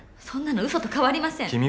そんなのうそと変わりません。